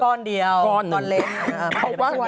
อ๋อก้อนเดียวก้อนเล็ก